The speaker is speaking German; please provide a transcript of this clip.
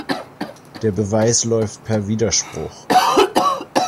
Der Beweis läuft per Widerspruch.